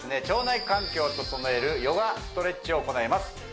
腸内環境を整えるヨガストレッチを行います